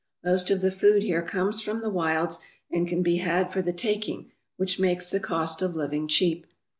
Most of the food here comes from the wilds and can be had for the taking, which makes the cost of living cheap.